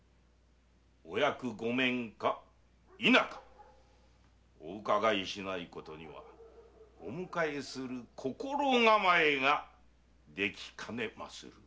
お役ご免か否かおうかがいしないことにはお迎えする心構えができかねます。